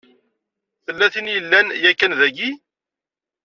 Tella tin i yellan yakan daki.